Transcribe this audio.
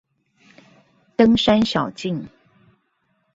登山小徑